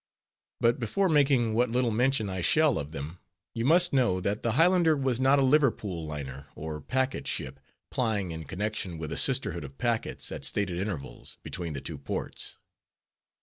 But before making what little mention I shall of them, you must know that the Highlander was not a Liverpool liner, or packet ship, plying in connection with a sisterhood of packets, at stated intervals, between the two ports.